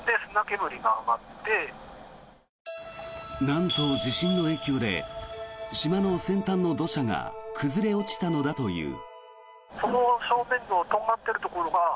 なんと、地震の影響で島の先端の土砂が崩れ落ちたのだという。